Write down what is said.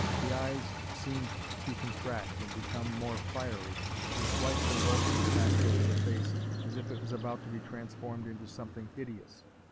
The eyes seemed to contract and become more fiery, and slight convulsions passed over the face, as if it was about to be transformed into something hideous.